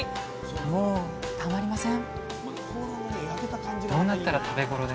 もうたまりません！